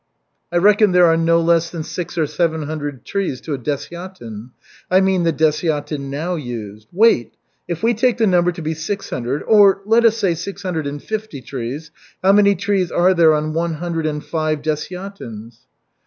"I reckon there are no less than six or seven hundred trees to a desyatin. I mean the desyatin now used. Wait! If we take the number to be six hundred or, let us say, six hundred and fifty trees, how many trees are there on one hundred and five desyatins?"